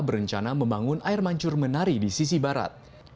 berencana membangun air mancur menari di sisi barat